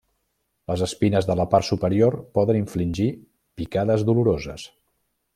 Les espines de la part superior poden infligir picades doloroses.